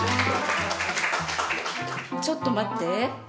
ちょっと待って！